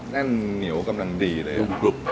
แน่นเหนียวกำลังดีเลยกรุบ